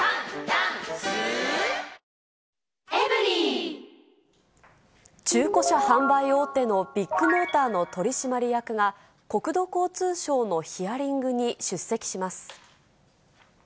過去最大の補助金も中古車販売大手のビッグモーターの取締役が、国土交通省のヒアリングに出席します。